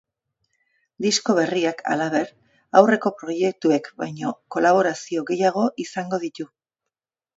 Disko berriak, halaber, aurreko proiektuek baino kolaborazio gehiago izango ditu.